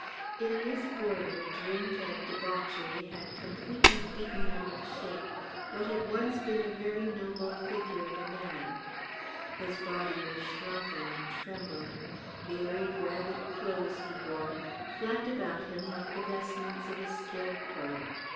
In this boarder drink and debauchery had completely beaten out of shape what had once been a very noble figure of a man. His body was shrunken and trembling; the old, ragged clothes he wore flapped about him like the vestments of a scarecrow.